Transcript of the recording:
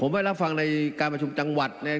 ไม่รับฟังในการประชุมจังหวัด